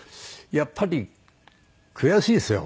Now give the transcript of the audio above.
やっぱり悔しいですよ。